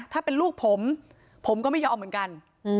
ถ้าเป็นลูกผมผมก็ไม่ยอมเหมือนกัน